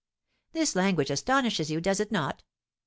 This language astonishes you, does it not?